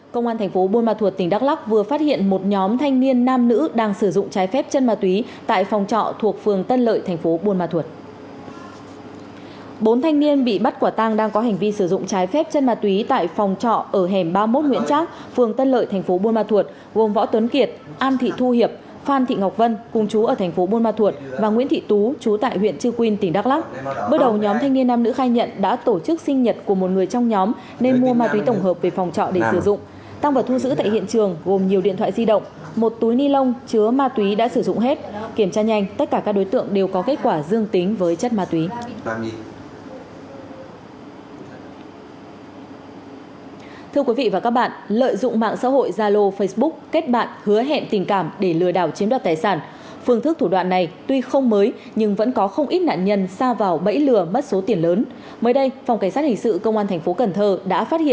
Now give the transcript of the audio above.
công an thành phố buôn ma thuột tỉnh đắk lắc vừa phát hiện một nhóm thanh niên nam nữ đang sử dụng trái phép chân ma túy tại phòng trọ thuộc phường tân lợi thành phố buôn ma thuột